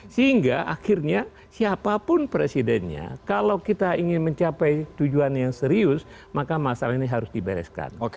sehingga akhirnya siapapun presidennya kalau kita ingin mencapai tujuan yang serius maka masalah ini harus dibereskan